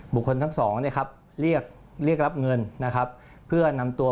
ทั้งสองเนี่ยครับเรียกเรียกรับเงินนะครับเพื่อนำตัว